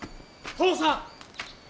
父さん！